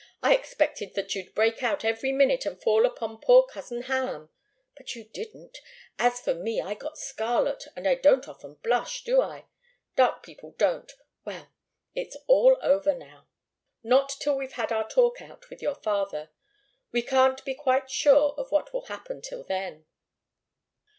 I expected that you'd break out every minute and fall upon poor cousin Ham. But you didn't. As for me, I got scarlet, and I don't often blush, do I? Dark people don't. Well it's all over now." "Not till we've had our talk out with your father. We can't be quite sure of what will happen till then."